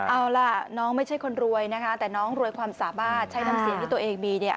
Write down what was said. เอาล่ะน้องไม่ใช่คนรวยนะคะแต่น้องรวยความสามารถใช้น้ำเสียงที่ตัวเองมีเนี่ย